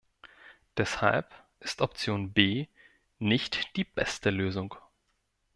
Deshalb ist Option B nicht die beste Lösung.